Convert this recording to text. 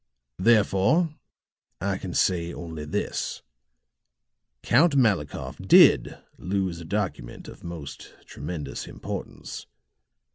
Therefore, I can say only this: Count Malikoff did lose a document of most tremendous importance.